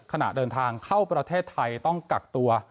ขณะเดินทางเข้าประเทศไทยต้องกักตัว